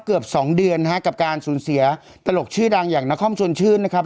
เกือบสองเดือนฮะกับการสูญเสียตลกชื่อดังอย่างนครชวนชื่นนะครับ